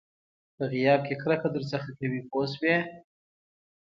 په غیاب کې کرکه درڅخه کوي پوه شوې!.